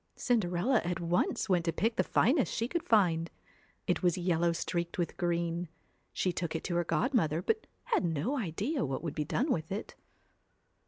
Cinderella at once want to pick the finest she could find ; it was yellow streaked with green. She took it to her godmother, but had no idea what would be done with it.